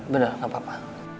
bener gak apa apa